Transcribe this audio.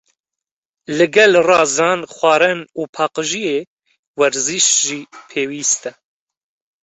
Li gel razan, xwarin û paqijiyê, werzîş jî pêwîst e.